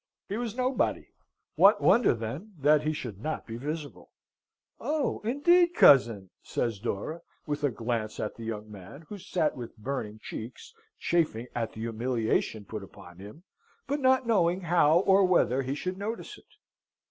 He was nobody. What wonder, then, that he should not be visible? "Oh, indeed, cousin!" says Dora, with a glance at the young man, who sate with burning cheeks, chafing at the humiliation put upon him, but not knowing how or whether he should notice it.